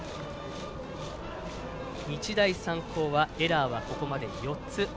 日大三高はエラーはここまで４つ。